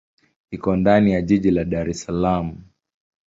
Iko ndani ya jiji la Dar es Salaam.